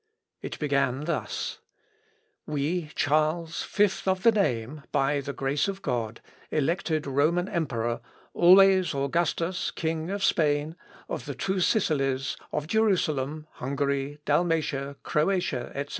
_" It began thus: "We, Charles, fifth of the name, by the grace of God, elected Roman Emperor, always Augustus, King of Spain, of the Two Sicilies, of Jerusalem, Hungary, Dalmatia, Croatia, etc.